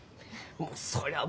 もうそりゃあ